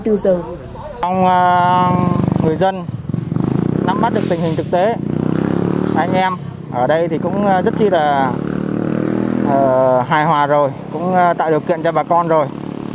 ông người dân nắm bắt được tình hình thực tế anh em ở đây thì cũng rất là hài hòa rồi cũng tạo điều kiện cho bà con rồi